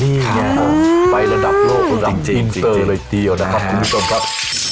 นี่แหละครับไประดับโลกระดับอินเตอร์เลยเดียวนะครับคุณผู้ชมครับ